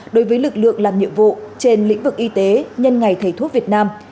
đối với lực lượng làm nhiệm vụ trên lĩnh vực y tế nhân ngày thầy thuốc việt nam